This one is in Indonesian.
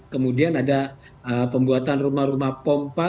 kemudian ada pembuatan rumah rumah pompa